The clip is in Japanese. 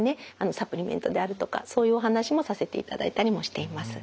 サプリメントであるとかそういうお話もさせていただいたりもしています。